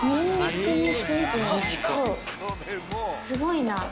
すごいな。